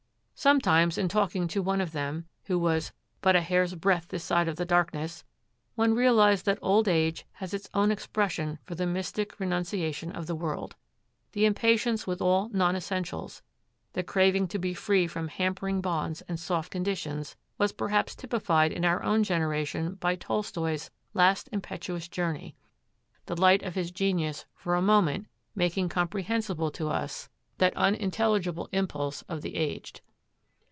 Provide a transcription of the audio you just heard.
Sometimes in talking to one of them, who was 'but a hair's breadth this side of the darkness,' one realized that old age has its own expression for the mystic renunciation of the world. The impatience with all non essentials, the craving to be free from hampering bonds and soft conditions, was perhaps typified in our own generation by Tolstoi's last impetuous journey, the light of his genius for a moment making comprehensible to us that unintelligible impulse of the aged.